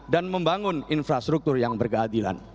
dan membangun infrastruktur yang berkeadilan